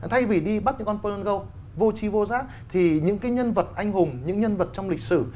thay vì đi bắt những con pern gâu vô chi vô giác thì những cái nhân vật anh hùng những nhân vật trong lịch sử